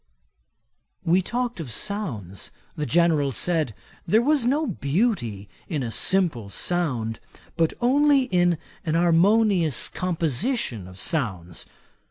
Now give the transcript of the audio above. We talked of sounds. The General said, there was no beauty in a simple sound, but only in an harmonious composition of sounds.